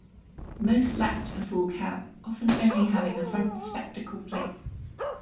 Most lacked a full cab, often only having a front 'spectacle plate'.